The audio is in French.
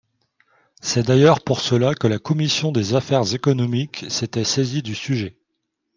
C’est d’ailleurs pour cela que la commission des affaires économiques s’était saisie du sujet.